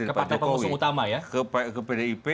ke partai pengusung utama ya ke pdip